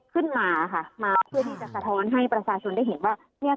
ขึ้นมาค่ะมาเพื่อที่จะสะท้อนให้ประชาชนได้เห็นว่าเนี่ย